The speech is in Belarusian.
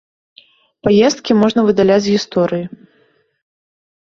Паездкі можна выдаляць з гісторыі.